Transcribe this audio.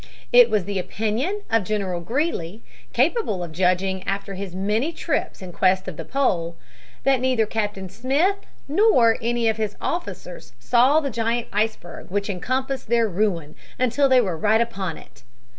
It was the opinion of General Greely, capable of judging after his many trips in quest of the pole, that neither Captain Smith nor any of his officers saw the giant iceberg which encompassed their ruin until they were right upon it.